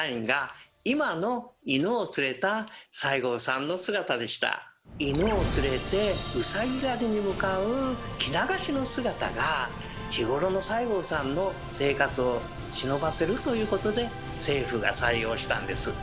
この姿は西南戦争で犬を連れてうさぎ狩りに向かう着流しの姿が日頃の西郷さんの生活をしのばせるということで政府が採用したんです。